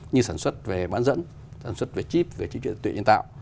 như sản xuất về bán dẫn sản xuất về chip về truyền tạo